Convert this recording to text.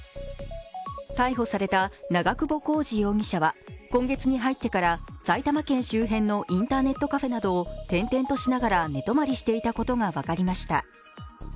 逮捕された長久保浩二容疑者は今月に入ってから埼玉県周辺のインターネットカフェなどを転々としながら寝泊まりしていたことが分かりました。